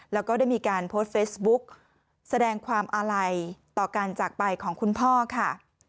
แล้วก็ได้มีการโพสต์เฟซบุ๊กแสดงความอาลัยต่อการจากไปของคุณพ่อค่ะ